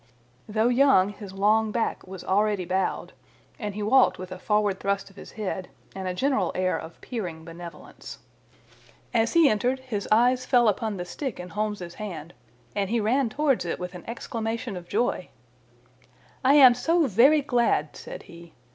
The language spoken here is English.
Though young, his long back was already bowed, and he walked with a forward thrust of his head and a general air of peering benevolence. As he entered his eyes fell upon the stick in Holmes's hand, and he ran towards it with an exclamation of joy. "I am so very glad," said he.